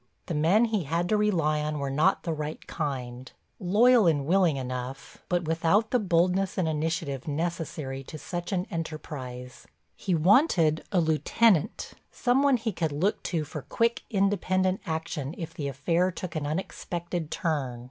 The men he had to rely on were not the right kind, loyal and willing enough, but without the boldness and initiative necessary to such an enterprise. He wanted a lieutenant, some one he could look to for quick, independent action if the affair took an unexpected turn.